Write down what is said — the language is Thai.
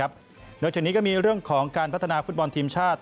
นอกจากนี้ก็มีเรื่องของการพัฒนาฟุตบอลทีมชาติ